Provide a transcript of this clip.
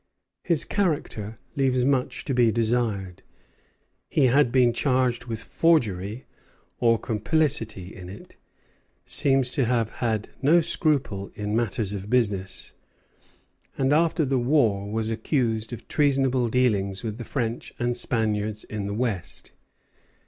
His character leaves much to be desired. He had been charged with forgery, or complicity in it, seems to have had no scruple in matters of business, and after the war was accused of treasonable dealings with the French and Spaniards in the west.